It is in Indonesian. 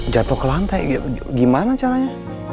jatuh ke lantai gimana caranya